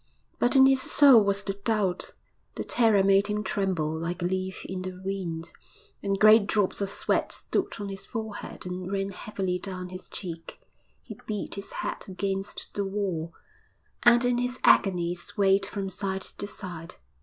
but in his soul was the doubt. The terror made him tremble like a leaf in the wind, and great drops of sweat stood on his forehead and ran heavily down his cheek. He beat his head against the wall, and in his agony swayed from side to side....